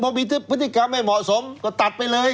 พอมีพฤติกรรมไม่เหมาะสมก็ตัดไปเลย